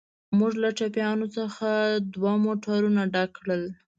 موږ له ټپیانو څخه دوه موټرونه ډک کړل.